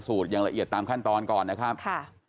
วิสัยที่เรียยงละเอียดตามขั้นตอนก่อนนะครับ